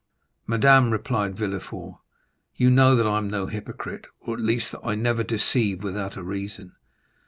"Madame," replied Villefort, "you know that I am no hypocrite, or, at least, that I never deceive without a reason.